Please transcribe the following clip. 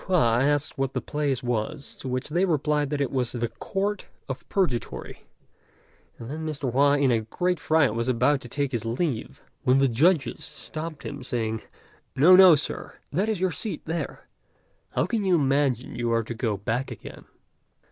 Hua asked what the place was; to which they replied that it was the Court of Purgatory, and then Mr. Hua in a great fright was about to take his leave, when the judges stopped him, saying, "No, no, Sir! that is your seat there; how can you imagine you are to go back again?"